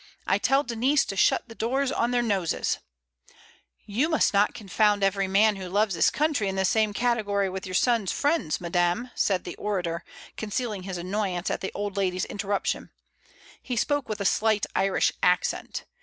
I tell Denise to shut the door on their noses " "You must not confound every man who loves his country in the same category with your son's friends, madame," said the orator, concealing his annoyance at the old lady's interruption. He spoke with a slight Irish accent.